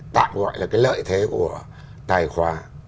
tạm gọi là cái lợi thế của tài khoá